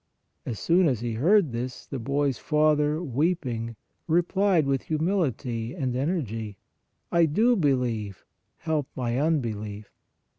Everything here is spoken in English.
As soon as he heard this, the boy s father weeping replied with humility and energy :" I do believe, help my unbelief."